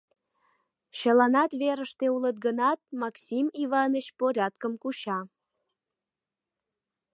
Чыланат верыште улыт гынат, Максим Иваныч порядкым куча.